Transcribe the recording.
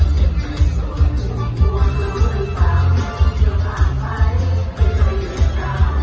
เจ็บในสวนทุกครัวจริงหรือเปล่าเดี๋ยวพาไปเดี๋ยวหยุดกล้าว